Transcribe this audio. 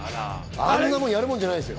あんなもんやるもんじゃないですよ。